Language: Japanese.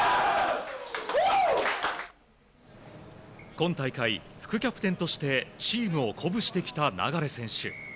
今大会、副キャプテンとしてチームを鼓舞してきた流選手。